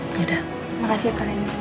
makasih ya pak adin